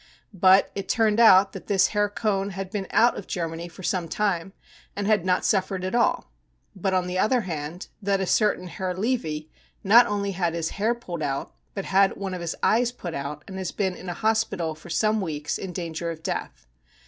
But it turned out that this Herr Cohn had been out of Germany for some time, and had not suffered at all ; but on the other hand, that a certain Herr Levy not only had his hair pulled out, but had one of his eyes put out and has been in a hospital for some weeks in danger of death.